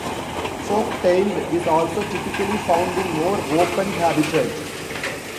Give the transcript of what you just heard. Fork-tailed is also typically found in more open habitat.